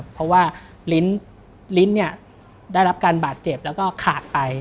เพราะว่าลิ้นเนี่ยได้รับการบาดเจ็บแล้วก็ขาดไป